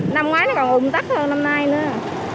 năm ngoái nó còn ụm tắc hơn năm nay nữa